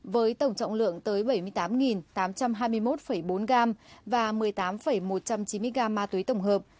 với tổng trọng lượng tới bảy mươi tám tám trăm hai mươi một bốn gram và một mươi tám một trăm chín mươi gam ma túy tổng hợp